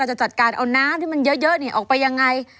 จะจัดการเอาน้ำที่มันเยอะออกไปยังไง